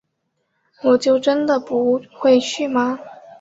我就真的不会去吗